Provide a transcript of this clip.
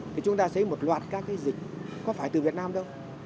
thì chúng ta thấy một loạt các cái dịch có phải từ việt nam đâu